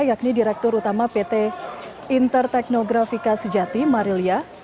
yakni direktur utama pt interteknografika sejati marilia